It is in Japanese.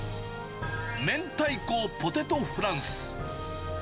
明太子ポテトフランス。